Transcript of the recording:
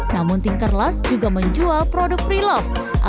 namun tinkerlast juga menjual produk pre love yang sangat menjanjikan